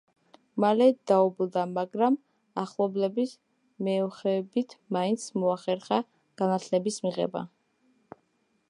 მალე დაობლდა, მაგრამ ახლობლების მეოხებით მაინც მოახერხა განათლების მიღება.